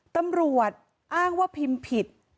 ตำรวจอ้างว่าพิมพ์ผิด